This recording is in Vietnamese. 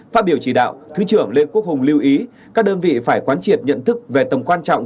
phát biểu chỉ đạo thứ trưởng lê quốc hùng lưu ý các đơn vị phải quán triệt nhận thức về tầm quan trọng